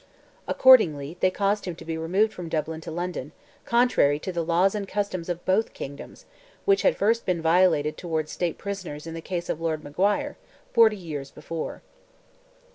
Accordingly, they caused him to be removed from Dublin to London, contrary to the laws and customs of both Kingdoms, which had first been violated towards state prisoners in the case of Lord Maguire, forty years before.